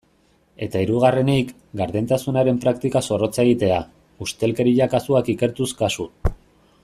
Eta hirugarrenik, gardentasunaren praktika zorrotza egitea, ustelkeria kasuak ikertuz kasu.